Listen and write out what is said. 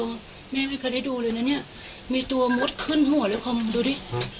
แม่ไม่เคยได้ดูเลยนะเนี่ยมีตัวมดขึ้นหัวเลยคอมดูดิ